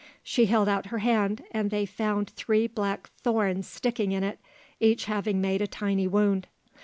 She held out her hand, and they found three black thorns sticking in it, each having made a tiny wound.